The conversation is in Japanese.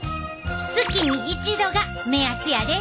月に１度が目安やで。